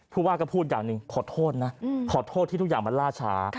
ผู้ว่าก็พูดอย่างหนึ่งขอโทษนะขอโทษที่ทุกอย่างมันล่าช้า